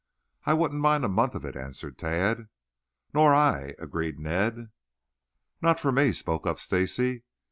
"I wouldn't mind a month of it," answered Tad. "Nor I," agreed Ned. "Not for me," spoke up Stacy.